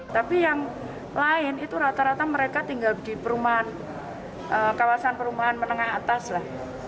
tapi yang lain itu rata rata mereka tinggal di perumahan kawasan perumahan menengah atas lah